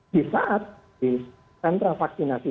di saat di sentra vaksinasi